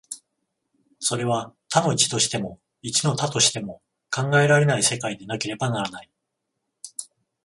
それは多の一としても、一の多としても考えられない世界でなければならない。